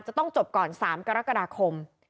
จะต้องจบก่อน๓กรกฎาคม